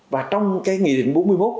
và trong cái nghị định bốn mươi một